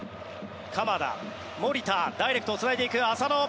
鎌田、守田ダイレクトにつないでいく。